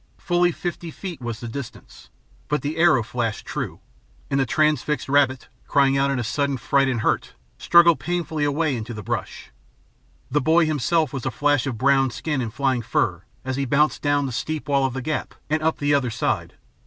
Fully fifty feet was the distance, but the arrow flashed true; and the transfixed rabbit, crying out in sudden fright and hurt, struggled painfully away into the brush. The boy himself was a flash of brown skin and flying fur as he bounded down the steep wall of the gap and up the other side.